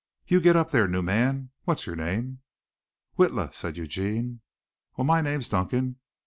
"You get up there, new man. What's your name?" "Witla," said Eugene. "Well, my name's Duncan.